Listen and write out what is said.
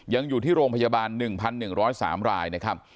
ยังอยู่ที่โรงพยาบาล๑๑๐๓รายนะครับ